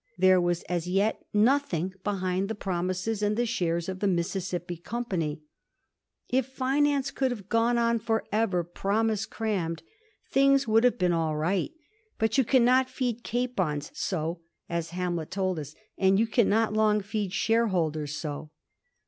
There was as yet nothing behind the promises and the shares of the Mississippi Company. K finance could have gone on for ever promise crammed, things would have been all right. But you cannot feed capons so, as Hamlet tells us ; and you cannot long feed shareholders so.